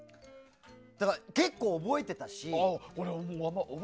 だから、結構覚えてたし。